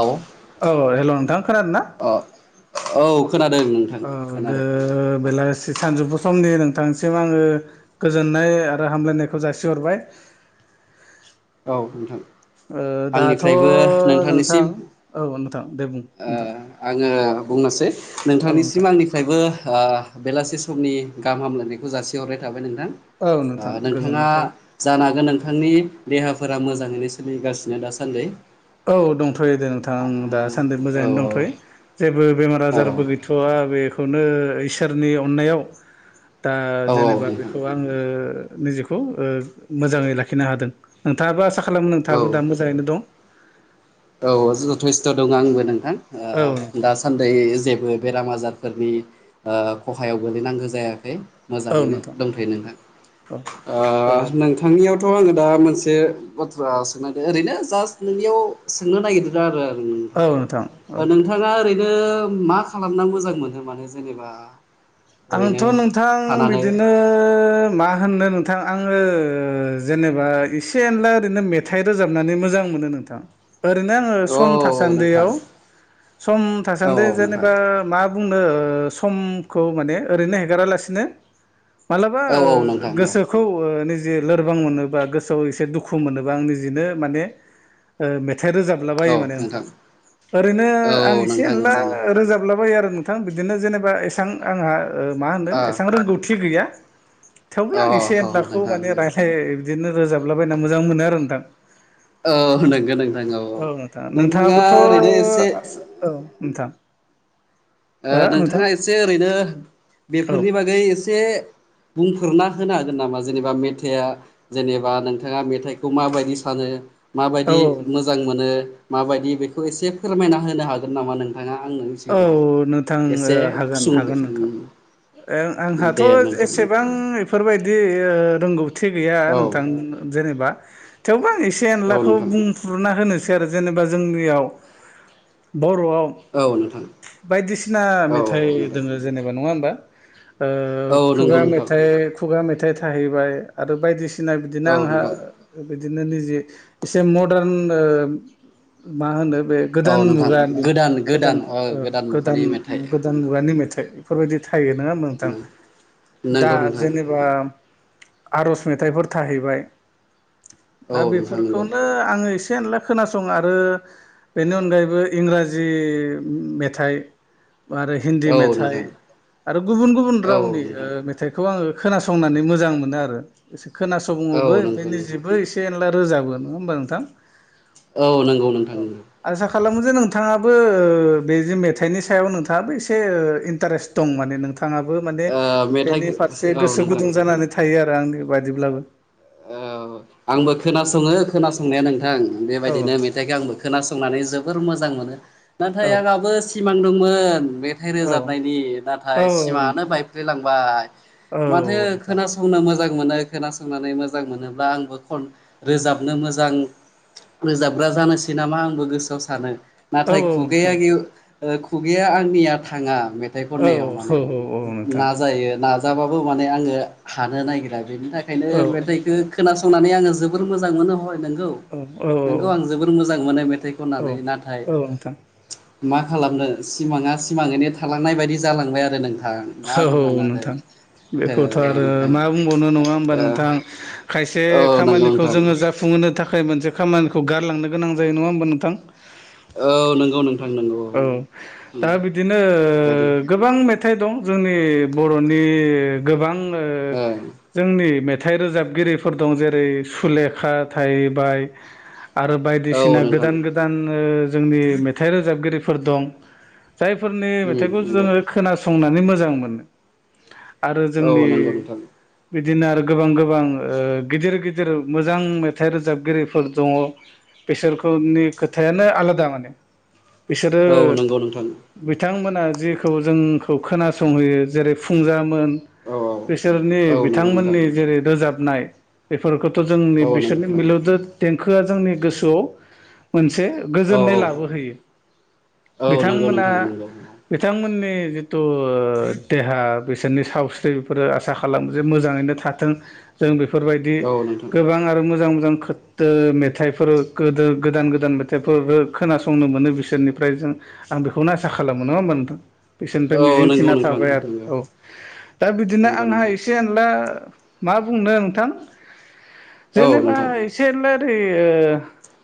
औ औ हेलौ‌ नोंथां खोनादो ना? अ औ खोनादों नोंथां औ गो खोनादों बेलासि सानजुफु समनि नोंथांसिम आङो गोजोननाय आरो हामलायनायखौ जासिहरबाय। [inaudible] औ नोंथां ओ दाथ' आंनिफ्रायबो नोंथां नोंथांनिसिम औ नोंथां दे बुं ओ नोंथां आङो बुंनोसै औ नोंथां नोंथांनिसिम आंनिफ्रायबो ओ बेलासि समनि गाहाम हामलायनायखौ जासिहरनाय थाबाय नों औ थां नोंथां नोंथाङा गोजोननाय थाबाय। जानो हागोन नोंथांनि देहाफोरा मोजाङैनो सोलिगासिनो दासान्दै औ दंथ' दे नोंथां आं दासान्दि औ मोजाङैनो दंथ'यो। जेबो बेमार आजारबो गैथ'वा बे खौनो इसोरनि अननायाव दा औ जेनेबा औ नोंथां बेखौ आङो निजेखौ मोजाङै लाखिनो हादों नोंथाङाबो आसा खालामो औ नोंथाङाबो दा मोजाङैनो दं। औ जेथेस्थ' [unintelligible] दं आंबो नोंथां औ नोंथां दासान्दै जे जेबो बेराम आजारफोरनि ओ खहायाव गोलैनांगौ जायाखै औ मोजाङैनो नोंथां दंथ'यो नोंथां ओ नोंथांनियाव थ' आङो दा मोनसे बाथ्रा सोंनायदों ओरैनो जास्ट नोंनियाव सोंनो नागिरदों दा आरो औ औ नोंथां नोंथाङा ओरैनो मा खालामना मोजां मोनो माने जेनेबा ओरैनो आंथ' नोंथां थानानै बिदिनो मा होननो नोंथां आङो जेनेबा एसे एनला ओरैनो मेथाइ रोजाबनानै मोजां मोनो नोंथां। ओरैनो आङो औ सम नोंथां थासान्दियाव सम औ थासान्दि औ नोंथां जेनेबा मा बुंनो समखौ माने ओरैनो हेगारालासिनो मालाबा औ ओ औ नोंथां औ गोसोखौ ओ लोरबां मोनोबा गोसोआव एसे दुखु मोनोबा आं निजेनो माने मेथाइ रोजाबला बायो माने नोंथां ओरैनो औ आं एसे नोंथां एसेनला मोजाङानो रोजाब लाबायो आरो नोंथां बिदिनो जेनेबा एसां आंहा ओ आंहा मा होनो अ एसां रोंगौथि गैया। थेवबो अ आं एसे ह एनलाखौ माने नोंथां रायलाय बिदिनो रोजाबलाबायना मोजां मोनो आरो नोंथां। औ नंगौ नोंथां औ नोंथां नोंथाङा नोंथाङाबोथ' ओरैनो एसे ओ औ नोंथां। ओ हो नोंथां नोंथाङा एसे ओरैनो औ बेफोरनि बागै एसे बुंफोरना होनो हागोन नामा जेनेबा मेथाइआ जेनेबा नोंथाङा मेथाइखौ माबायदि सानो औ माबायदि मोजां मोनो माबायदि बेखौ एसे फोरमायना होनो हागोन नामा नों नोंथाङा आंनि सिगाङाव औ नोंथां ओ एसे हागोन सुंद हागोन नोंथां। ओ आंहाथ' दे नोंथां एसेबां बेफोरबायदि ओ रोंगौथि गैया औ नोंथां जेनेबा थेवबो आं एसे औ एनलाखौ नोंथां बुंफ्रुरना होनोसै। जेनेबा जोंनियाव बर'वाव औ नोंथां बायदिसिना औ मेथाइ नोंथां दोङो जेनेबा नङा होमबा? औ नंगौ खुगा नोंथां मेथाइ खुगा मेथाइ थाहैबाय आरो बायदि सिना बिदिनो औ आंहा नोंथां बिदिनो निजे एसे मदारन मा होनो बे औ गोदान नोंथां मुगानि गोदान ओ गोदान मुगानि मेथाइ गोदान मुगानि मेथाइ बेफोरबायदि थायो नङा नोंथां दा नंगौ नोंथां जेनेबा आर'ज मेथाइफोर थाहैबाय दा औ नोंथां नंगौ बेफोरखौनो आङो एसे एनला खोनासं आरो बेनि अनगायैबो इंराजि मेथाइ आरो हिन्दी औ मेथाइ नोंथां आरो गुबुन गुबुन औ रावनि नोंथां मेथाइखौ आङो खोनसंनानै मोजां मोनो आरो खोनासंनो औ बो नंगौ ओंखायनो नोंथां जेबो एसे एनला रोजाबो नङा होमबा नोंथां। औ नंगौ नोंथां नोंगौ। खालामोदो नोंथाङाबो बे मेथाइनि सायाव नोंथाङाबो एसे इन्टारेस्ट दं माने नोंथा ङाबो माने ओ मेथाइ बेनि फारसे औ गोसो नोंथां गुदुं जानानै थायो आरो आंनि बायदिब्लाबो। औ आंबो खोनासङो खोनासंनाया नों थां औ बेबायदिनो नोंथां मेथाइखौ आंबो खोनासंनानै जोबोर मोजां मोनो औ नाथाय आंहाबो सिमां दं मोन मेथाइ औ रोजाबनायनि औ नाथाय औ सिमानो नोंथां बायफ्लेलांबाय। औ माथो नोंथां खोनासंनो मोजां मोनो खोनासंनानै मोजां मोजां मोनोब्ला आंबो खन रोजाबनो मोजां रोजाबग्रा जानोसै नामा आंबो गोसोआव सानो। औ नाथाय नोंथां खुगाया गेवआ खुगाया आंनिया थाङा। मेथाइ औ खननायाव औ माने औ नोंथां नाजायो ना जाबाबो माने आङो हानो नागिरा बेनि थाखायनो औ मेथाइ खोनासंनानै आङो जोबोर मोजां मोनो हय नंगौ नोंगौ औ आं जोबोर मोजां मोनो मेथाइ औ खननानै नाथाय औ नोंथां मा खालामनो सिमाङा सिमाङैनो थालांनाय बायदि जालांबाय आरो नों औ नोंथां बेखौथ' औ आरो नोंथां मा बुंबावनो नङा होमबा नोंथां खायसे औ नंगौ खामानिखौ नोंथां जोङो जाफुहोनो नो थाखाय मोनसे खामानिखौ गारलांनो गोनां जायो नङा होमबा नोंथां। औ नंगौ नोंथां। औ दा बिदिनो बेबायदि गोबां मेथाइ थाइ दं जोंनि बर'नि गोबां ओं जोंनि मे थाइ रोजाबगिरिफोर दं जेरै सुलेखा थाहैबाय आरो औ बायदिसिना नोंथां गोदान गोदान जोंनि मेथाइ रोजाबगिरिफोर दं। जायफोरनि उम मेथाइखौ नंगौ जोङो खोनासंनानै मोजां मोनो। आरो औ जोंनि नंगौ नोंथां बिदिनो आरो गोबां गोबां गिदिर गिदिर मोजां मेथाइ रोजाबगिरिफोर दङ। बेसोरखौनि खोथायानो आलादा माने। बिसोरो औ नंगौ नोंथां बिथांमोन जेखौ जोंखौ खोनासंहोयो जेरै फुंजामोन औ बिसोरनि औ नंगौ नोंथां बिथांमोननि जेरै रोजाबनाय बेफोरखौ थ जोंनि औ नंगौ बिसोरनि नोंथां मिलौदो देंखोआ जोंनि गोसोआव मोनसे औ गोजोननाय लाबोहोयो। औ नंगौ बिथांमोना नोंथां नंगौ बिथांमोननि नि जिथु देहा बिसोरनि सावस्रि बेफोरो आसा खालामो जे मोजाङैनो थाथों। जों बेफोरबायदि औ नोंथां गोबां आरो मोजां खो मेथाइफोर गो गोदान गोदान मेथाइफोर खोनंनो मोनो बि सोरनिफ्राय जों आं बेखौनो आसा खालामो नङा होमबा नोंथा। बिसोरनिफ्राय औ मिजिं नंगौ थिना नोंथां थाबाय आरो नंगौ औ दा बिदिनो नंगौ आंहा नोंथां एसे एनला मा बुंनो नोंथां औ जेनेबा नोंथां एसेल ओै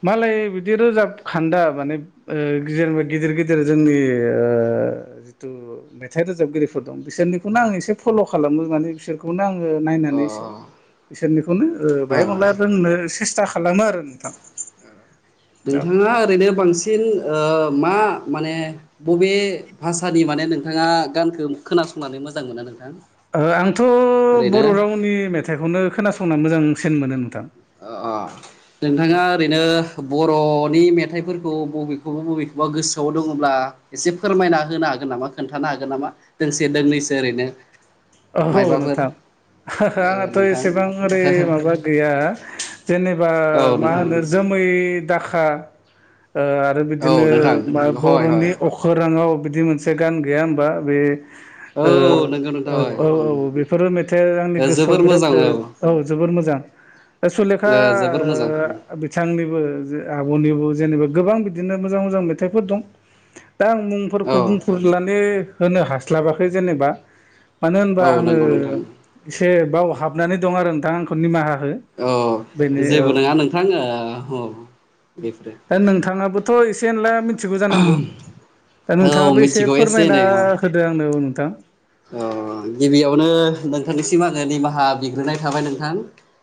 मालाय बिदि रोजाब खान्दा माने ओ गिदिर गिदिर जोंनि ओ जिथु मेथाइ रोजाबगिरिफोर दं बिसोर खौनो आं एसे फल' खालामो माने बिसोरखौनो आं नायनानैनो अ बिसोरनिखौनो बहाय अ मोनला रोंनो सेस्था खा खालामो आरो नोंथां। औ नोंथाङा ओरैनो बांसिन ओ मा माने बबे भाषानि माने नोंथाङा गानखौ खोनासंनानै मोजां मोनो नोंथां ओ आंथ' बर' ओरैनो रावनि मेथाइखौनो खोनासंनो मोजांसिन मोनो नोंथां अ अ नोंथाङा ओरैनो बर'नि मेथ थाइफोरखौ बबेखौबा बबेखौबा गोसोआव दङब्ला एसे फोरमायना होनो हागोन नामा खोन्थानो हागोन नामा? दोंसे दोंनैसो ओरैनो औ मायबाफोर नोंथां ओ आंहाथ' नोंथां एसेबां ओरै माबा गैया जेनेबा औ मा नोंथां होनो जोमै दाखा ओ आरो औ बिदिनो नोंथां बा नोंगौ हय हय बर'नि अखोराङाव बिदि मोनसे गान गैया होमबा बे औ ओ नंगौ नंगौ औ औ औ औ बेफोरो मेथाइआ आंनि गोसोआव जोबोर बिराद मोजां औ ओ औ जोबोर मोजां सुलेखा जोबोर मोजां बिथांनिबो जे आब'निबो जेनेबा गोबां बिदिनो मोजां मोजां मेथाइफोर दं दा आं मुंफोरखौ औ बुंफुरलानि होनो हास्लाबाखै जेनेबा मानो औ होनबा आङो नंगौ नोंथां एसे बाव हाबनानै दं आरो नोंथां आंखौ निमाहा हो औ बेनो औ जेबो नङा नोंथां ओ औ बेफोरो दा नोंथाङाबोथ' एसे एनला मिथिगौ जानांगौ दा औ नोंथाङाबो एसे मिथिगौ फोरमायना एनै अ होदो आंनो नोंथां अ गिबियावनो नोंथांनिसिम आङो निमाहा बिग्रोनाय थाबाय नोंथां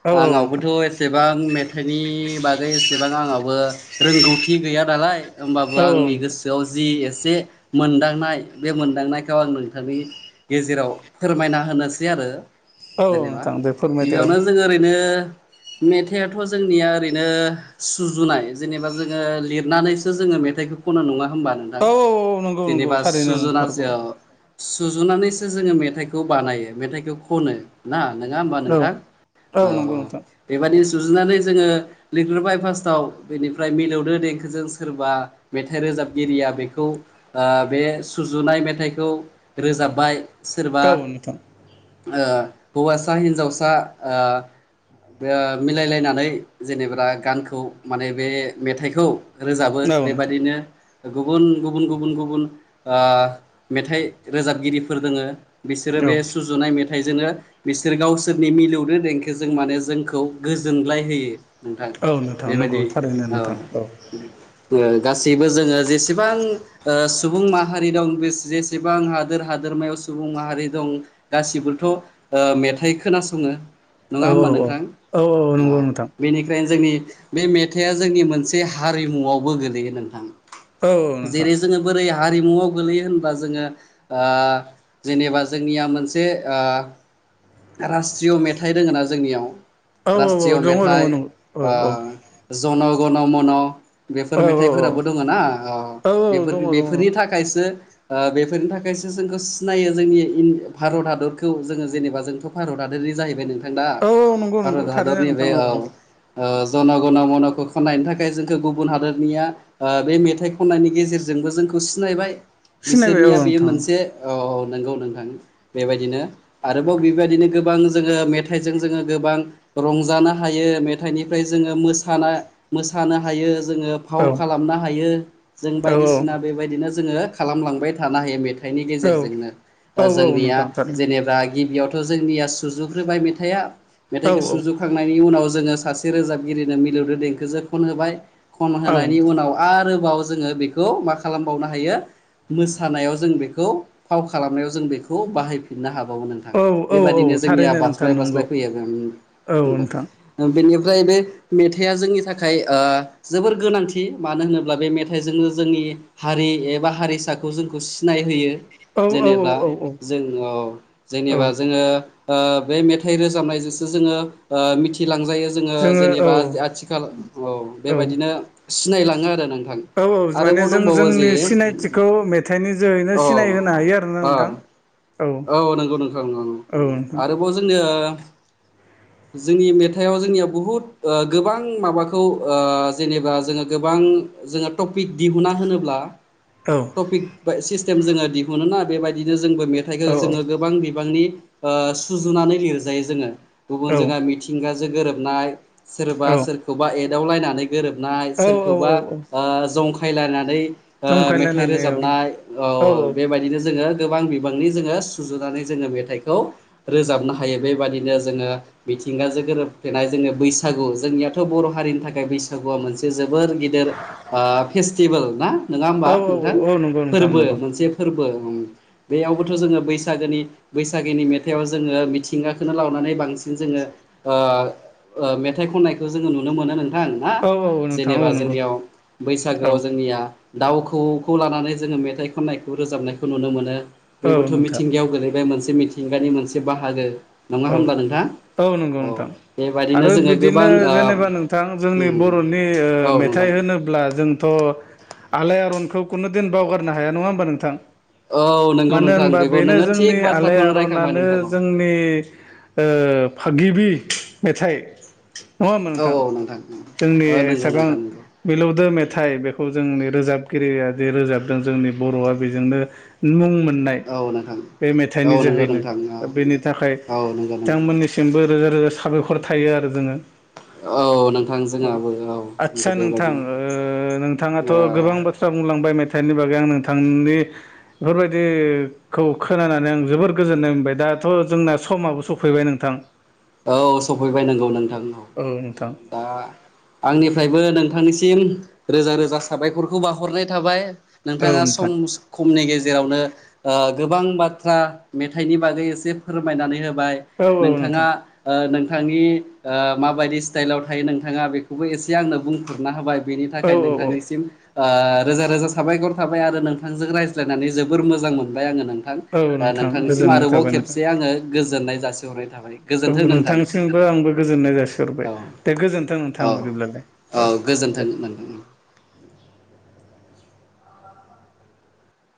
औ औ नोंथां आंनावबोथ' एसेबां मेथाइनि बागै एसेबां आंनावबो रोंगौथि गैया नालाय होमबाबो औ औ आंनि नोंथां गोसोआव जि ए से मोनदांनाय बे मोनदांनायखौ आं नोंथांनि गेजेराव फोरमायना होनोसै आरो औ जेनेबा नोंथां दे फोरमायदो औ गिबियावनो जोङो ओरैनो मेथाइयाथ' जोंनिया ओरैनो सुजुनाय जेनेबा जोङो लिरनानैसो जों मेथाइ खनो नङा होमबा नोंथां औ औ नंगौ नंगौ जेनेबा थारैनो सुजुनासो नंथारगौ ओ सुजुनानैसो जोङो मेथाइखौ बानायो मेथाइखौ खनो ना नङा होमबा औ नोंथां औ नंगौ औ नोंथां बेबायदिनो सुजुनानै जोङो लिरग्रोबाय फार्स्टआव बेनिफ्राय मिलौदो देंखोजों सोरबा मेथाइ रो रोजाबगिरिया बेखौ बे सुजुनाय मेथाइखौ रोजाबबाय औ नोंथां आ हौवासा हिन्जावसा आ मिलायलायनानै जेनेबा गानखौ माने बे मेथाइखौ रोजाबो औ नोंथां बेबायदिनो गुबुन गुबुन गुबुन गुबुन आ मेथाइ रोजाबगिरिफोर दोङो बिसोरो औ बे सुजुनाय मे थाइ जोङो बिसोर गावसोरनि मिलौनो देंखोजों माने जोंखौ गोजोनलाय होयो नोंथां औ नोंथां नंगौ बेबायदि थारैनो औ नोंथां गासैबो जोङो जेसेबां सुबुं माहारि दं जेसे बां हादोर हादोरमायाव सुबुं माहारि दं गासिबोथ' मेथाइ खोनासङो औ नङा होमबा औ नोंथां औ औ अ नंगौ नोंथां बेनिखायनो जोंनि बे मेथाइआ जोंनि मोनसे हारिमुआवबो गोलैयो नोंथां औ नोंथां जेरै जोङो बोरै हारिमुवाव गोलैयो होनोब्ला जोङो आ जेनेबा जोंनिया मोनसे आ रास्ट्रिय' मेथाइ रोङोना जोंनियाव औ औ औ राष्ट्रिय दङ दङ मेथाइ दङ औ जन' गन' मन' औ बेफोर मेथाइफोराबो दङ ना औ बेफोर दङ दङ दङ बेफोरनि थाखायसो बेफोरनि थाखायसो जोंखौ सिनायो जोंनि भारत हादरखौ जोङो जेनेबा जोंथ' भारत हादरनि जाहैबाय नोंथां दा औ नंगौ नंगौ भारत थारैनो हादरनि नोंथां बे औ नंगौ जना गना मनाखौ खन्नायनि थाखाय जोंखौ गुबुन हादोरनिया बे मेथाइ खननायनि गेजेरजोंबो जोंखौ सिनायबाय सिनायबाय औ बिसोरनिया बेयो नोंथां मोनसे औ नंगौ नोंथां बेबायदिनो आरोबाव बेबायदिनो गोबां जोङो मेथाइजों जोङो गोबां रंजानो हायो मेथाइनिफ्राय जोङो मोसा मोसानो हायो जोङो फाव औ खालामनो हायो जों औ बायदिसिना बेबायदिनो जोङो खालामलांबाय थानो हायो मेथाइ थाइनि औ गेजेरजोंनो औ औ जोंनिया नोंथां थारैनो जेनेबा गिबियाव जोंनिया सुजुग्रोबाय मेथाइआ औ मेथाइखौ सुजुखांनायनि उनाव जोङो सासे रोजाबगिरिनो मिलौदो देंखोजों खनहोबाय खन औ होनायनि नोंथां उनाव आरो बाव जोङो बेखौ मा खालामबावनो हायो मोसानायाव जों बेखौ खौ फाव खालामनायाव जों बेखौ बाहायफिननो हाबावो नोंथां औ औ औ बेबायदिनो जोंनिया थारैनो नोंथां बास्लाय नंगौ बास्लाय फैयो औ [unintelligible] नोंथां नोंगौ बेनिफ्राय बे मेथाइआ जोंनि थाखाय ओ जोबोर गोनांथि मानो होनोब्ला बे मेथाइजोंनो जोंनि हारि एबा हारिसाखौ जोंखौ सिनायहोयो औ औ जेनेबा औ औ जों ओ औ जेनेबा ओ ओ बे मेथाइ रोजाबनायजोसो जोङो ओ मिथिलांजायो जोङो जेनेबा आथिखाल औ बेबायदिनो सिनायलाङो आरो नों औ माने आरोबाव जों दंबावो जे जोंनि सिनायथिखौ मेथाइनि जोहैनो सिनायहोनो हायो आरोना नोंथां औ नोंगौ नोंथां नोंगौ नोंगौ औ नोंथां आरोबाव जोङो [inaudible] जोंनि मेथाइआव जोंनिया बुहुत ओ गोबां माबाखौ ओ जेनेबा जोङो गोबां जोङो टपिक दिहुना होनोब्ला औ टपिक बा सिस्टेम जोङो दिहुनो ना बेबायदिनो जोंबो मेथाइखो औ जोङो गोबां बिबांनि ओ सुजुनानै लिरजायो जोङो गुबुन औ जोंहा मिथिंगाजों गोरोबनाय सोरबा औ सोरखौबा एदावलायनानै गोरोबनाय, औ औ सोरखौबा औ जंखायलायनानै ओ मेथाइ जंखायलायनानै औ रोजाबनाय औ बेबायदिनो जोङो गोबां बिबांनि जोङो सुजुनानै जोङो मेथाइखौ रोजाबनो हायो बेबायदिनो जोङो बि मिथिंगाजों गोरोबफेनाय जोंनि बैसागु जोंनियाथ' बर' हारिनि थाखाय बैसागुआ मोनसे जो बोर गिदेर ओ फेसटिभोल ना नोङा औ होमबा औ औ नोंथां औ नंगौ नोंथां फोरबो नंगौ मोनसे फोर बो बेयावबोथ' जोङो बैसागोनि बैसागोनि मेथाइआव जोङो मिथिंगाखौनो लावनानै बांसिन जोङो ओ ओ मेथाइ खननायखौ जोङो नुनो मोनो नों [unintelligible] ना औ औ नोंथां औ जेनेबा नंगौ जोंनियाव औ बैसागोआव जोंनिया दाउ खौवौ खौ लानानै जोङो मेथाइ खननायखौ रोजाबनायखौ नुनो मोनो औ बेबोथ' नोंथां मिथिंगायाव गोलैबाय मोनसे मिथिंगानि मोनसे बाहागो नङा औ होमब्ला नोंथां? औ नंगौ नोंथां बेबायदिनो आरो जोङो बिदिनो गोबां ओ जेनेबा नोंथां जोंनि उम बर'नि ओ औ नोंथां मेथाइ होनोब्ला जोंथ' आलायारनखौ कुनु दिन बावगारनो हाया नङा होमबा नोंथां औ नंगौ मानो नोंथां होनबा बेखौ बेनो नोङो थिग जोंनि बाथ्राखौनो रायखांबाय आलायारनानो नोंथां औ जोंनि ओ फा गिबि मेथाइ नङा होमबा औ नोंथां औ जोंनि औ नंगौ एसेबां नोंथां नंगौ मिलौदों मे थाइ बेखौ जोंनि रोजाबगिरिया जे रोजाबदों जोंनि बर'आ बेजोंनो मुं मोन मोननाय औ नोंथां बे औ मेथाइनि नंगौ जोहैनो नोंथां बेनि थाखाय औ नंगौ नों बिथांमोननिसिमबो रोजा रोजा साबायख'र थायो आरो जोङो औ नोंथां औ जोंहाबो आदसा नंगौ नोंथां बेबायदिनो ओ नोंथाङाथ' ओ गोबां बाथ्रा बुंलांबाय मे थाइनि बागै आं नोंथांनि बेफोरबायदिखौ खोनानानै आं जोबोर गोजोननाय मोनबाय दा दाथ' जोंना समाबो सफैबाय नोंथां। औ सफैबाय नोंगौ नोंथां औ दा आंनिफ्रायबो नों थांनिसिम रोजा रोजा साबायखरखौ बावहरनाय थाबाय औ नोंथाङा सम नोंथां खमनि गेज जेरावनो ओ गोबां बाथ्रा मेथाइनि बागै एसे फोरमायनानै होब बाय औ औ नोंथां नोंथाङा ओ नोंथांनि ओ माबायदि स्टाइलाव थायो नोंथाङा बेखौबो एसे आंनो बुंफोरना होबाय बेनि औ थाखाय औ औ नोंथांनिसिम ओ रोजा रोजा साबायख'र थाबाय आरो नोंथांजों रायज्लायनानै जोबोर मोजां मोनबाय आङो नों थां औ दा नोंथां नोंथांनिसिम गोजोननाय आरोबाव थाबाय नोंथां खेबसे आङो गोजोननाय जासिहरनाय थाबाय औ गोजोन्थों नोंथां नोंथांनिसिमबो' आंबो औ गोजोननाय जासिहर बाय औ दे गोजोन्थों औ नोंथां बदिब्ला दे औ गोजोन्थों दे। नोंथां